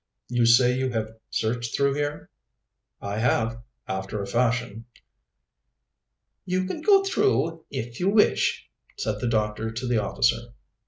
"You say you have searched through here?" "I have after a fashion." "You can go through, if you wish," said the doctor to the officer.